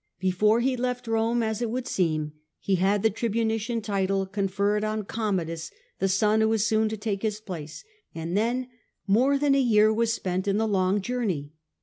Before he left Rome, as it would seem, he had the tribunician title conferred on Commodus, the son who was soon to take his place, and then more than a year was spent in the long journey.